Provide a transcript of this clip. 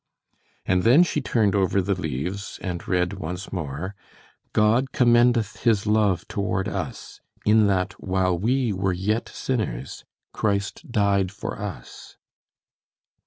And then she turned over the leaves and read once more: "'God commendeth his love toward us, in that, while we were yet sinners, Christ died for us.'"